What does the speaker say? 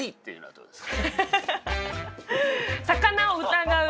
どこですか？